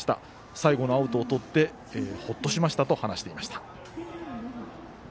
最後のアウトをとってほっとしましたと話していました。